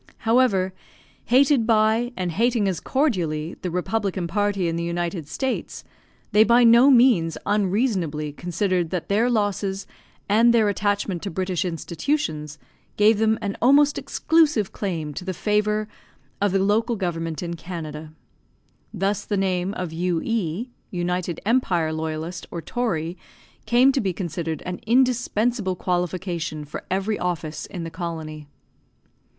However, hated by, and hating as cordially, the republican party in the United States, they by no means unreasonably considered that their losses and their attachment to British institutions, gave them an almost exclusive claim to the favour of the local government in Canada. Thus the name of U.E. (United Empire) Loyalist or Tory came to be considered an indispensable qualification for every office in the colony.